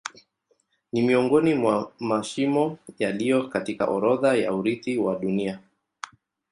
Ni miongoni mwa mashimo yaliyo katika orodha ya urithi wa Dunia.